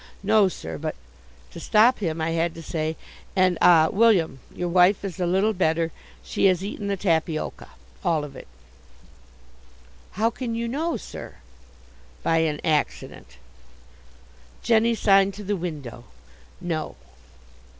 "No, sir, but " To stop him I had to say: "And, ah, William, your wife is a little better. She has eaten the tapioca all of it." "How can you know, sir?" "By an accident." "Jenny signed to the window." "No."